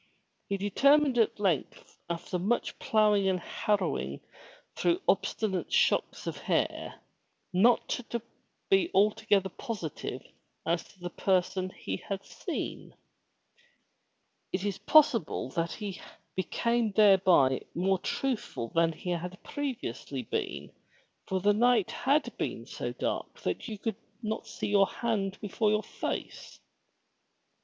He determined at lengta after much ploughing and harrowing through obstinate shocks of hair, to be not altogether positive as to the person he had seen. 248 FROM THE TOWER WINDOW It is possible that he became thereby more truthful than he had previously beeu, for the night had been so dark that you could not see your hand before your face.